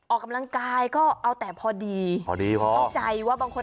ออกกำลังกายก็เอาแต่พอดี